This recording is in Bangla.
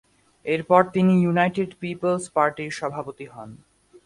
এর পর তিনি ইউনাইটেড পিপলস পার্টির সভাপতি হন।